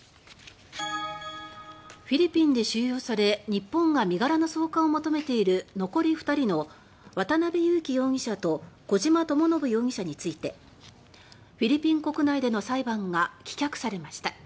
フィリピンで収容され日本が身柄の送還を求めている残り２人の渡邉優樹容疑者と小島智信容疑者についてフィリピン国内での裁判が棄却されました。